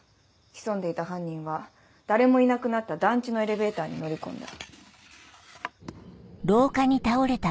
潜んでいた犯人は誰もいなくなった団地のエレベーターに乗り込んだ。